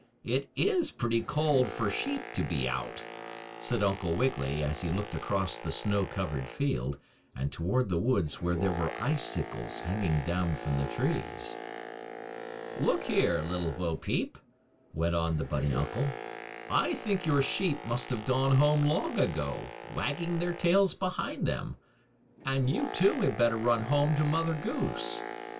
It is pretty cold for sheep to be out," said Uncle Wiggily, as he looked across the snow covered field, and toward the woods where there were icicles hanging down from the trees. "Look here, Little Bo Peep," went on the bunny uncle. "I think your sheep must have gone home long ago, wagging their tails behind them. And you, too, had better run home to Mother Goose.